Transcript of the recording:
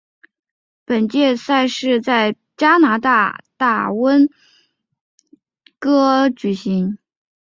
本届赛事在加拿大温哥华举行。